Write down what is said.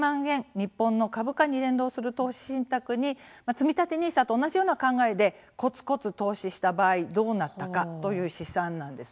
日本の株価に連動する投資信託につみたてＮＩＳＡと同じような考えでこつこつ投資した場合どうなったかという試算なんです。